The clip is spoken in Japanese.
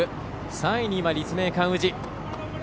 ３位に今、立命館宇治。